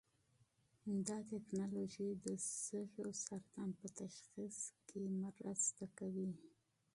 دا ټېکنالوژي د سږو سرطان په تشخیص کې مرسته کوي.